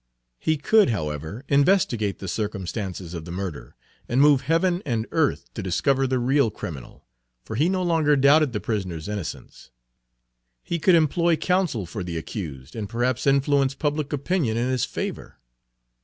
He could, however, investigate the circumstances of the Page 93 murder, and move Heaven and earth to discover the real criminal, for he no longer doubted the prisoner's innocence; he could employ counsel for the accused, and perhaps influence public opinion in his favor.